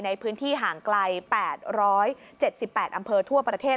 ในพื้นที่ห่างไกล๘๗๘อำเภอทั่วประเทศ